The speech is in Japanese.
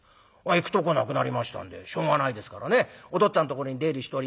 行くとこなくなりましたんでしょうがないですからねお父っつぁんところに出入りしておりました